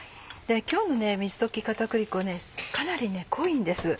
今日の水溶き片栗粉かなり濃いんです。